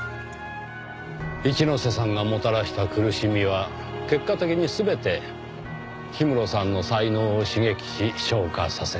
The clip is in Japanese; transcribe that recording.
一之瀬さんがもたらした苦しみは結果的に全て氷室さんの才能を刺激し昇華させた。